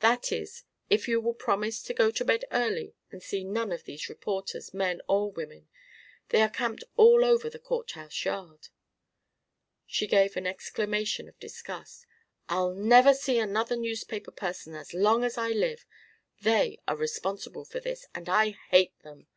"That is, if you will promise to go to bed early and see none of these reporters, men or women. They are camped all over the Courthouse yard." She gave an exclamation of disgust. "I'll never see another newspaper person as long as I live. They are responsible for this, and I hate them."